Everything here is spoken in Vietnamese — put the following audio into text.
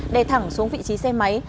đè thẳng xuống vị trí xe máy